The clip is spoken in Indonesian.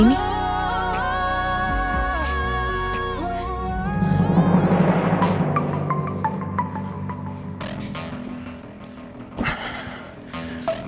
ini gue tanpa